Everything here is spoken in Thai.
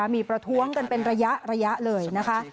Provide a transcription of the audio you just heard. มีประท้วงกันเป็นระยะเลยนะคะ